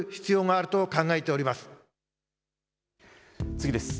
次です。